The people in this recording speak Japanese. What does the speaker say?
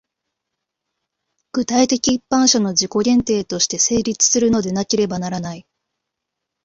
具体的一般者の自己限定として成立するのでなければならない。